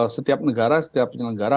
setiap negara setiap penyelenggara